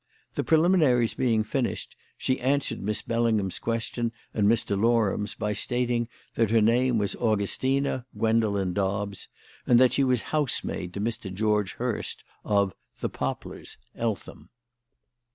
The preliminaries being finished, she answered Miss Bellingham's question and Mr. Loram's by stating that her name was Augustina Gwendoline Dobbs, and that she was housemaid to Mr. George Hurst, of "The Poplars," Eltham.